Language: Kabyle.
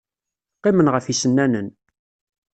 Qqimen ɣef yisennanen.